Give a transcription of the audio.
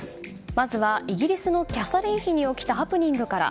まずはイギリスのキャサリン妃に起きたハプニングから。